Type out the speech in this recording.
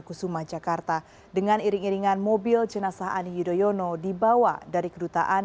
kusuma jakarta dengan iring iringan mobil jenazah ani yudhoyono dibawa dari kedutaan